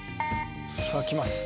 ［さあきます］